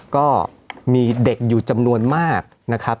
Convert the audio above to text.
ก็มีเด็กอยู่จำนวนมากนะครับ